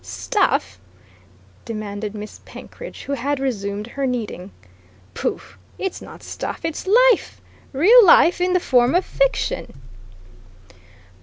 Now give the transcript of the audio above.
"Stuff?" demanded Miss Penkridge, who had resumed her knitting. "Pooh! It's not stuff it's life! Real life in the form of fiction!"